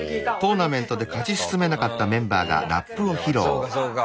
そうかそうか。